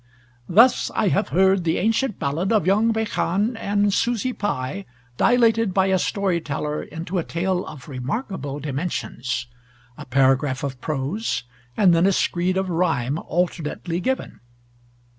"Thus I have heard the ancient ballad of Young Beichan and Susy Pye dilated by a story teller into a tale of remarkable dimensions a paragraph of prose and then a screed of rhyme alternately given."